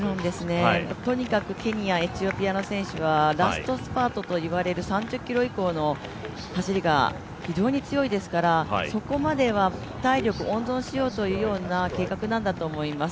とにかくケニア、エチオピアの選手たちはラストスパートといわれる３０ｋｍ以降の走りが非常に強いですからそこまでは体力温存しようというような計画なんだろうと思います。